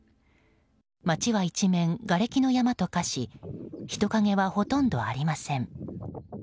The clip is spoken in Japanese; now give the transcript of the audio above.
街は一面、がれきの山と化し人影はほとんどありません。